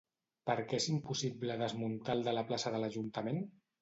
Per què es impossible desmuntar el de la plaça de l'Ajuntament?